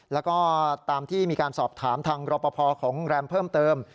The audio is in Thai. แล้วก็ตามที่มีการสอบถามทางรอปภของโรงแรมเพิ่มเติม